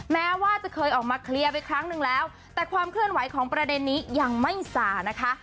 แม้ว่าจะเคยออกมาเคลียร์ไปครั้งหนึ่งแล้วแต่ความเคลื่อนไหวของประเด็นนี้ยังไม่สานะคะ